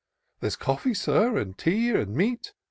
There's coffee, Sir, and tea, and meat.